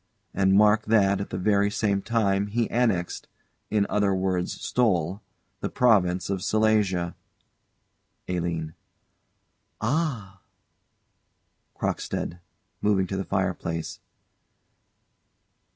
And mark that, at that very same time, he annexed in other words stole the province of Silesia. ALINE. Ah CROCKSTEAD. [_Moving to the fireplace.